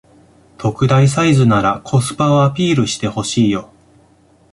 特大サイズならコスパをアピールしてほしいよ